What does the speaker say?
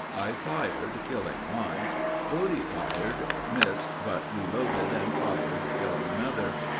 I fired, killing one. Godey fired, missed but reloaded and fired, killing another.